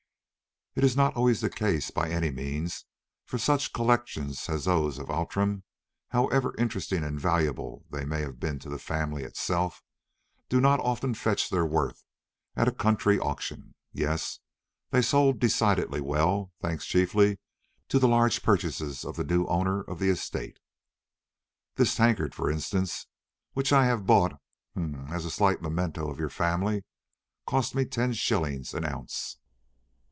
It is not always the case, not by any means, for such collections as those of Outram, however interesting and valuable they may have been to the family itself, do not often fetch their worth at a country auction. Yes, they sold decidedly well, thanks chiefly to the large purchases of the new owner of the estate. This tankard, for instance, which I have bought—hem—as a slight memento of your family, cost me ten shillings an ounce."